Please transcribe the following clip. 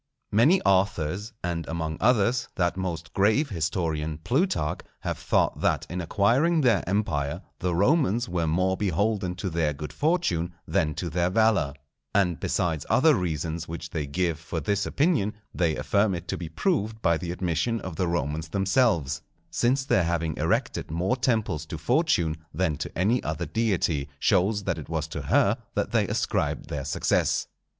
Many authors, and among others that most grave historian Plutarch, have thought that in acquiring their empire the Romans were more beholden to their good fortune than to their valour; and besides other reasons which they give for this opinion, they affirm it to be proved by the admission of the Romans themselves, since their having erected more temples to Fortune than to any other deity, shows that it was to her that they ascribed their success.